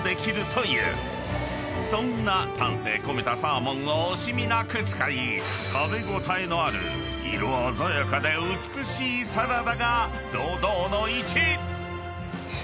［そんな丹精込めたサーモンを惜しみなく使い食べ応えのある色鮮やかで美しいサラダが堂々の１位！］